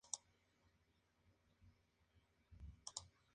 Tuvo un hijo que murió joven.